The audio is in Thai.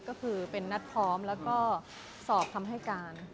ก็คือเป็นนัดพร้อมแล้วก็สอบคำให้การ